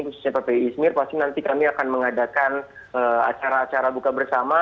khususnya ppi ismir pasti nanti kami akan mengadakan acara acara buka bersama